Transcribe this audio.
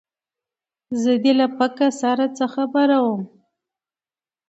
زه دې له پکه سره څه خبره ومه